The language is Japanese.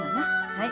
はい。